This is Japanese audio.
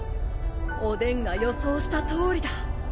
おでんが予想したとおりだ。